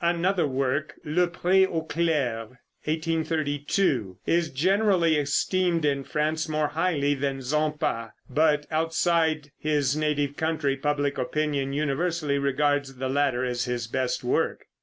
Another work "Le Pré aux Clercs," (1832), is generally esteemed in France more highly than "Zampa," but outside of his native country public opinion universally regards the latter as his best work.